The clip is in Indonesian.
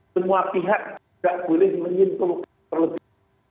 semua pihak tidak boleh menyimpulkan terlebih